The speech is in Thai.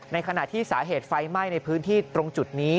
ขณะที่สาเหตุไฟไหม้ในพื้นที่ตรงจุดนี้